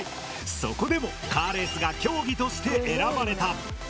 そこでもカーレースが競技として選ばれた。